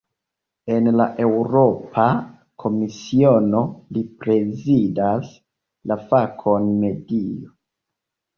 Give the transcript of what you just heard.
En la Eŭropa Komisiono li prezidas la fakon "medio".